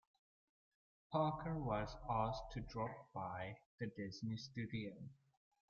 Parker was asked to drop by the Disney Studio.